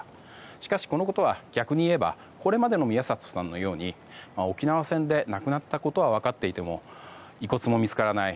しかし、このことは逆にいえばこれまでの宮里さんのように沖縄戦で亡くなったことは分かっていても遺骨も見つからない